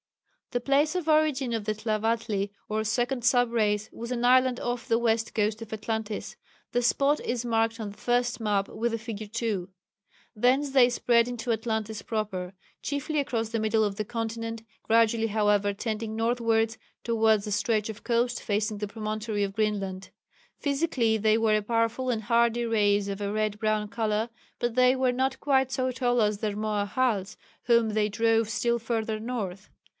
The place of origin of the Tlavatli or 2nd sub race was an island off the west coast of Atlantis. The spot is marked on the 1st map with the figure 2. Thence they spread into Atlantis proper, chiefly across the middle of the continent, gradually however tending northwards towards the stretch of coast facing the promontory of Greenland. Physically they were a powerful and hardy race of a red brown colour, but they were not quite so tall as the Rmoahals whom they drove still further north.